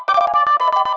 kau mau kemana